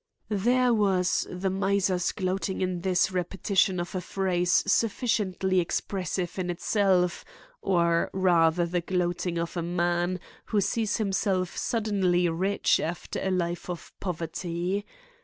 There was the miser's gloating in this repetition of a phrase sufficiently expressive in itself, or rather the gloating of a man who sees himself suddenly rich after a life of poverty.